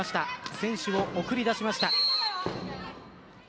選手を送り出しました。